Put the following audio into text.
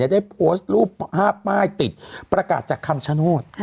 ได้โพสต์รูปภาพป้ายติดประกาศจากคำชโนธ